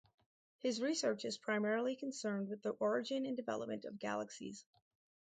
His research is primarily concerned with the origin and development of galaxies.